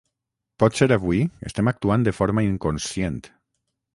Potser avui estem actuant de forma inconscient